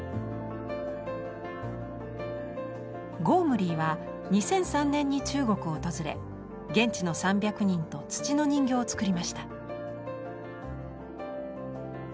ゴームリーは２００３年に中国を訪れ現地の３００人と土の人形を作りました。